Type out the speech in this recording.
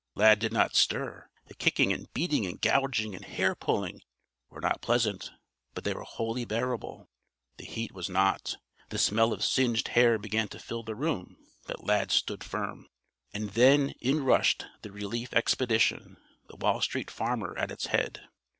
Lad did not stir. The kicking and beating and gouging and hair pulling were not pleasant, but they were wholly bearable. The heat was not. The smell of singed hair began to fill the room, but Lad stood firm. And then in rushed the relief expedition, the Wall Street Farmer at its head.